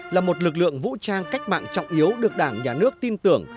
là một lực lượng vũ trang cách mạng trọng yếu được đảng nhà nước tin tưởng